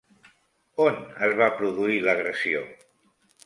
On es va produir l'agressió?